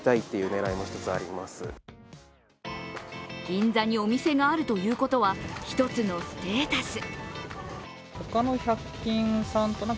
銀座にお店があるということは一つのステータス。